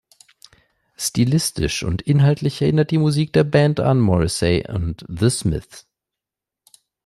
Stilistisch und inhaltlich erinnert die Musik der Band an Morrissey und The Smiths.